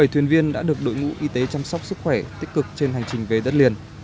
bảy thuyền viên đã được đội ngũ y tế chăm sóc sức khỏe tích cực trên hành trình về đất liền